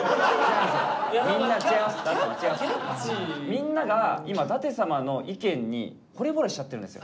みんなが今舘様の意見にほれぼれしちゃってるんですよ。